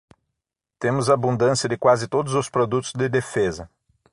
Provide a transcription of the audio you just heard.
Temos abundância de quase todos os produtos de defesa.